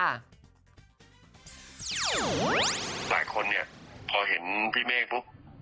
หลายคนพอเห็นพี่เมกปุ๊บ